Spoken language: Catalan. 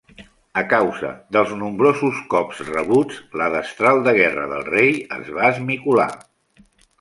A causa dels nombrosos cops rebuts, la destral de guerra del rei es va esmicolar.